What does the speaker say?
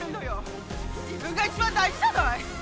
自分が一番大事じゃない！